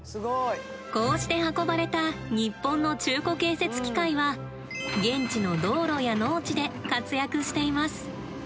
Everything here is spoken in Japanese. こうして運ばれた日本の中古建設機械は現地の道路や農地で活躍しています。